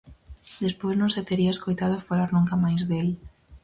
Despois non se tería escoitado falar nunca máis del.